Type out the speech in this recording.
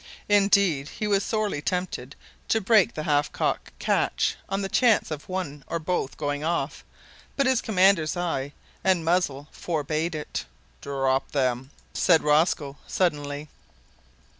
Indeed, he was sorely tempted to break the half cock catch on the chance of one or both going off, but his commander's eye and muzzle forbade it. "Drop them," said Rosco, suddenly.